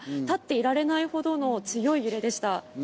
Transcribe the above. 立っていられないほどの強い揺れでした。